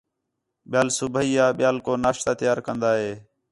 ٻِیال صُبیح آ ٻِیال کو ناشتہ تیار کندا ہے